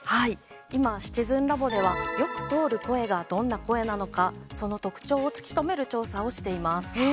今「シチズンラボ」ではよく通る声がどんな声なのかその特徴を突き止める調査をしています。